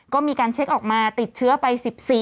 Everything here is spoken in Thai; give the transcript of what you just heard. ก็มีการเช็คออกมาติดเชื้อไป๑๔